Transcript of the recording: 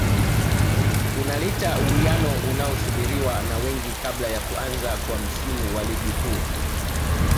unaleta uwiano unaosubiriwa na wengi kabla ya kuanza kwa msimu wa ligi kuu